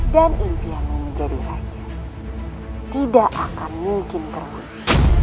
dan impianmu menjadi raja tidak akan mungkin terhujung